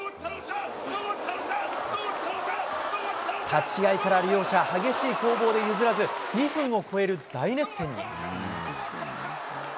立ち合いから両者、激しい攻防で譲らず、２分を超える大熱戦に。